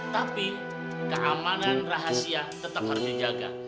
tapi keamanan rahasia tetap harus dijaga